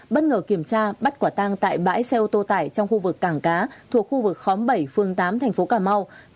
bất ngờ kiểm tra bắt quả tang tại bãi xe ô tô tải trong khu vực cảng cá thuộc khu vực khóm bảy phương tám thành phố cà mau